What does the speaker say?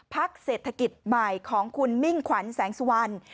พักเศรษฐกิจใหม่ของคุณมิ่งขวัญแสงสุวรรณ